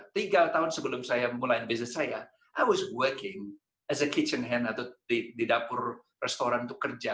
tiga tahun sebelum saya mulai bisnis saya saya bekerja sebagai seorang pengguna dapur atau di dapur restoran untuk kerja